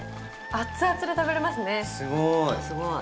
熱々で食べられますねすごい！